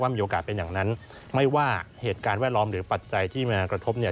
มีโอกาสเป็นอย่างนั้นไม่ว่าเหตุการณ์แวดล้อมหรือปัจจัยที่มากระทบเนี่ย